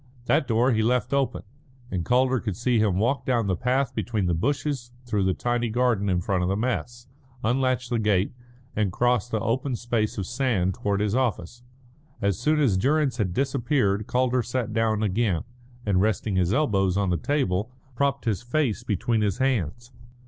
That door he left open, and Calder could see him walk down the path between the bushes through the tiny garden in front of the mess, unlatch the gate, and cross the open space of sand towards his office. As soon as Durrance had disappeared Calder sat down again, and, resting his elbows on the table, propped his face between his hands.